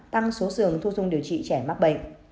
tăng số giường thu dung điều trị trẻ mắc bệnh